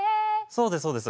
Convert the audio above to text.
そうですそうです。